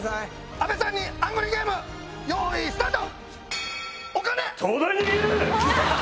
阿部さんにアングリーゲームよいスタート！